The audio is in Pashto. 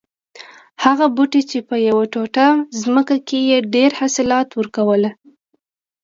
هغه بوټی چې په یوه ټوټه ځمکه کې یې ډېر حاصلات ور کول